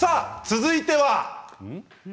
続いては！